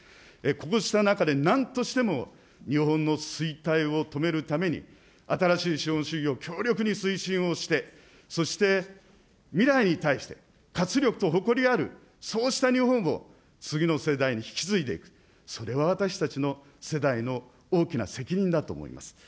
こうした中でなんとしても日本の衰退を止めるために、新しい資本主義を強力に推進をして、そして未来に対して活力と誇りある、そうした日本を次の世代に引き継いでいく、それは私たちの世代の大きな責任だと思います。